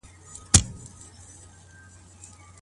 ولي د طلاق واک يوازي له خاوند سره دی؟